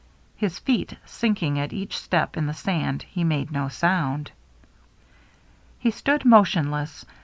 His feet sinking at each step in the sand, he made no sound. He stood motionless.